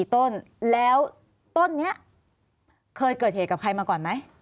ต้นแล้วต้นนี้เคยเกิดเหตุกับใครมาก่อนไหม